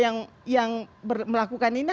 yang melakukan ini